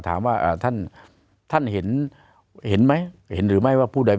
ถามว่าท่านเห็นไหมเห็นหรือไม่ว่าผู้ใด